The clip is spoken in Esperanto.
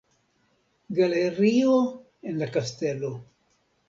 Galerio en la kastelo.